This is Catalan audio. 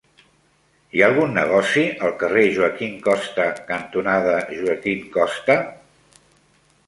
Hi ha algun negoci al carrer Joaquín Costa cantonada Joaquín Costa?